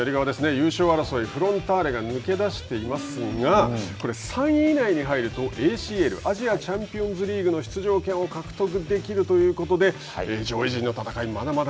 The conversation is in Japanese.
優勝争い、フロンターレが抜け出していますがこれ、３位以内に入るとＡＣＬ＝アジアチャンピオンズリーグの出場権を獲得できるということで上位陣の戦い